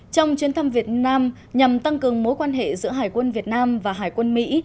trong chuyến thăm việt nam nhằm tăng cường mối quan hệ giữa hải quân việt nam và hải quân mỹ